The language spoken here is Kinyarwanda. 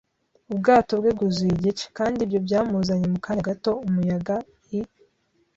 ubwato bwe bwuzuye igice, kandi ibyo byamuzanye mu kanya gato umuyaga. I.